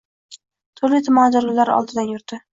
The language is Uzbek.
Turli-tuman atirgullar oldidan yurdi.